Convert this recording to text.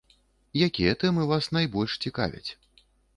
Якія тэмы вас найбольш цікавяць?